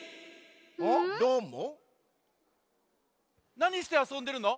なにしてあそんでるの？